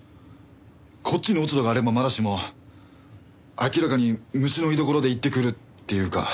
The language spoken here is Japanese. こっちに落ち度があればまだしも明らかに虫の居所で言ってくるっていうか。